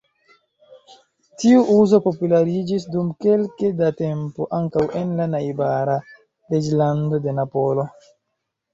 Tiu uzo populariĝis, dum kelke da tempo, ankaŭ en la najbara "Reĝlando de Napolo".